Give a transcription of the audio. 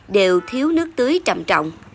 đều thiếu nước tưới trầm trọng